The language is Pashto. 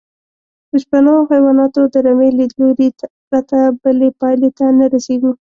له شپنو او حیواناتو د رمې لیدلوري پرته بلې پایلې ته نه رسېږو.